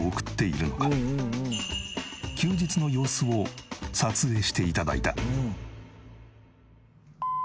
休日の様子を撮影して頂いた。